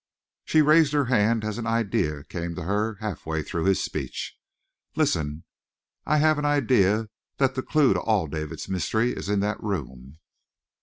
She raised her hand as an idea came to her half way through this speech. "Listen! I have an idea that the clew to all of David's mystery is in that room!"